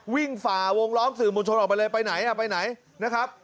วิ่งฝาวงร้องสื่อบุญชนออกไปเลยไปไหนนะครับ